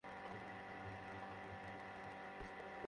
আমি দেখেছি তুমি তাকে বুকে ছুরিকাঘাত করেছ।